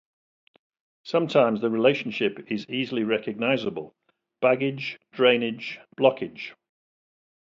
Sometimes, the relationship is easily recognizable: baggage, drainage, blockade.